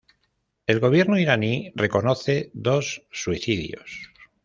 El gobierno iraní reconoce dos suicidios.